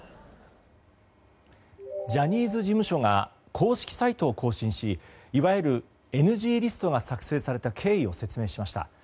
ジャニーズ事務所が公式サイトを更新しいわゆるＮＧリストが作成された経緯を説明しました。